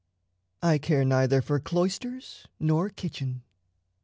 "I care neither for cloisters nor kitchen."